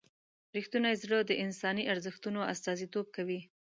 رښتونی زړه د انساني ارزښتونو استازیتوب کوي.